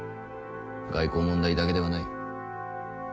外交問題だけではない。